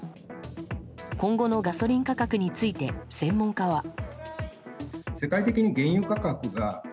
今後のガソリン価格について専門家は。